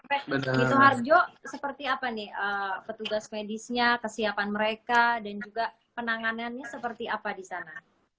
minto harjo seperti apa nih petugas medisnya kesiapan mereka dan juga penanganannya seperti apa disana